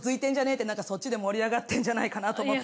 ってなんかそっちで盛り上がってんじゃないかなと思って。